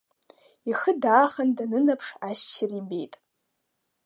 Ихы даахан данынаԥш ассир ибеит…